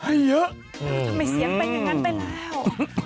ทำไมเสียงไปอย่างนั้นไปแล้ว